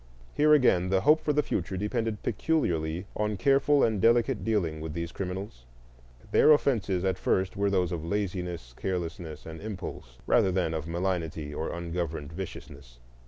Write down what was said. Here again the hope for the future depended peculiarly on careful and delicate dealing with these criminals. Their offences at first were those of laziness, carelessness, and impulse, rather than of malignity or ungoverned viciousness.